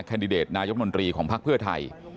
แคนดิเดตนายกมนตรีของภักดิ์เพื่อไทย